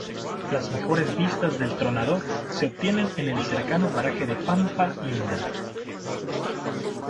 Las mejores vistas del Tronador se obtienen en el cercano paraje de Pampa Linda.